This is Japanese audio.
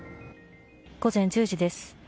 午前１０時です。